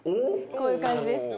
こういう感じです。